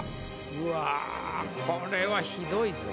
うわこれはひどいぞ。